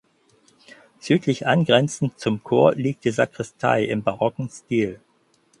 Südlich angrenzend zum Chor liegt die Sakristei im barocken Stil.